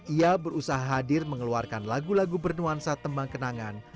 ia berusaha hadir mengeluarkan lagu lagu bernuansa tembang kenangan